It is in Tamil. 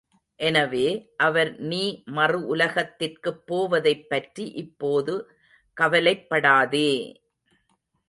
எனவே, அவர் நீ மறு உலகத்திற்குப் போவதைப்பற்றி இப்போது கவலைப்படாதே!